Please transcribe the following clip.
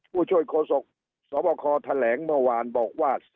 ผู้ช่วยโฆษกสบคแถลงเมื่อวานบอกว่า